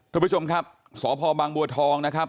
ทุกผู้ชมครับสพบางบัวทองนะครับ